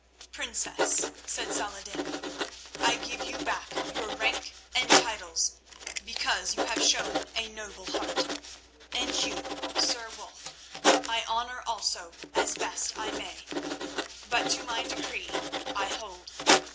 "Princess," said Saladin, "I give you back your rank and titles, because you have shown a noble heart; and you, Sir Wulf, I honour also as best I may, but to my decree I hold.